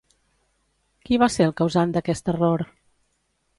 Qui va ser el causant d'aquest error?